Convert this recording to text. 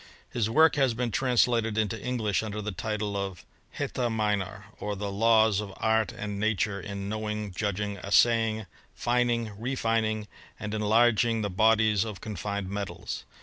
His work has been translated into English under the title of *^ Heta: Minor ; or the laws of art and nature in knowing, . judging, assaying, fining, refining, and enlarging the bodies of confined metals.